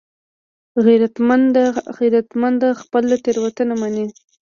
غیرتمند خپله تېروتنه مني